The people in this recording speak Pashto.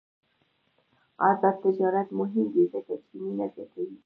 آزاد تجارت مهم دی ځکه چې مینه زیاتوي.